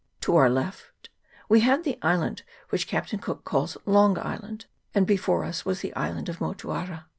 To our left we had the island which Captain Cook calls Long Island, and before us was the Island of Motuara.